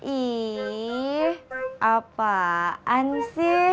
ih apaan sih